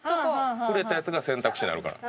触れたやつが選択肢になるから。